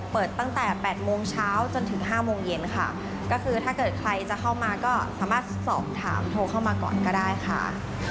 เปิดตั้งแต่๘โมงเช้าจนถึงห้าโมงเย็นค่ะก็คือถ้าเกิดใครจะเข้ามาก็สามารถสอบถามโทรเข้ามาก่อนก็ได้ค่ะ